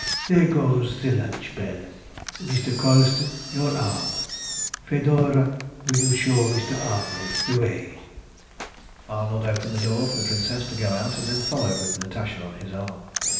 There goes the lunch bell. Mr. Colston, your arm. Fedora, will you show Mr. Arnold the way?" Arnold opened the door for the Princess to go out, and then followed with Natasha on his arm.